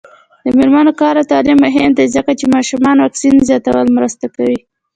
د میرمنو کار او تعلیم مهم دی ځکه چې ماشومانو واکسین زیاتولو مرسته ده.